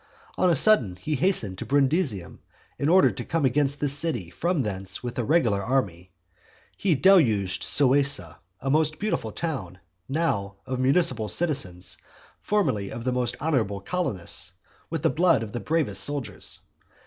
On a sudden he hastened to Brundusium, in order to come against this city from thence with a regular army. He deluged Suessa, a most beautiful town, now of municipal citizens, formerly of most honourable colonists, with the blood of the bravest soldiers.